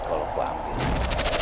kalau aku ambil